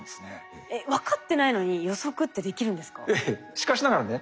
しかしながらね